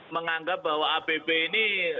menganggap bahwa abb ini